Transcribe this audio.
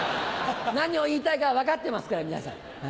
何を言いたいかは分かってますから皆さん。